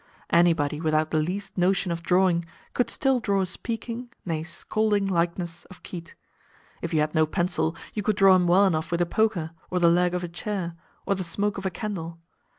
Anybody without the least notion of drawing could still draw a speaking, nay scolding, likeness of Keate. If you had no pencil, you could draw him well enough with a poker, or the leg of a chair, or the smoke of a candle.